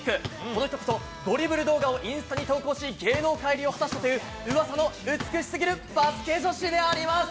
この人こそ、ドリブル動画をインスタに投稿し、芸能界入りを果たしたという、うわさの美しすぎるバスケ女子であります。